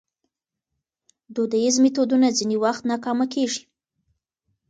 دودیز میتودونه ځینې وختونه ناکامه کېږي.